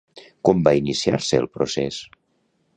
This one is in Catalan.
Com va iniciar-se el procés?